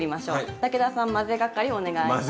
武田さん混ぜ係お願いします。